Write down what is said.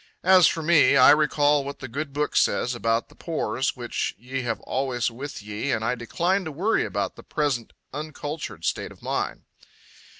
As for me, I recall what the Good Book says about the pores which ye have always with ye, and I decline to worry about the present uncultured state of mine.